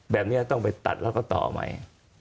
แบบนี้ต้องไปตัดแล้วก็ต่อใหม่